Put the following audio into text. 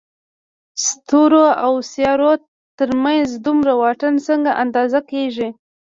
ستورو او سيارو تر منځ دومره واټن څنګه اندازه کېږي؟